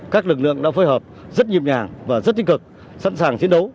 các lực lượng đã phối hợp rất nhiệp nhàng và rất tích cực sẵn sàng chiến đấu